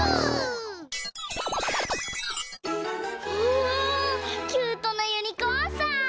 わあキュートなユニコーンさん！